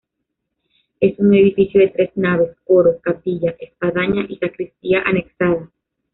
Es un edificio de tres naves, coro, capilla, espadaña y sacristía anexadas.